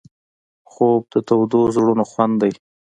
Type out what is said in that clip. خوب د تودو زړونو خوند دی